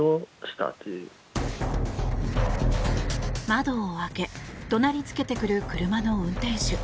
窓を開け怒鳴りつけてくる車の運転手。